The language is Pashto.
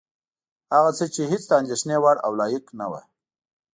هغه څه چې هېڅ د اندېښنې وړ او لایق نه وه.